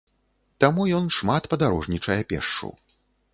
Таму ён шмат падарожнічае пешшу.